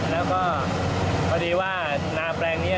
แล้วก็พอดีว่านาแปลงนี้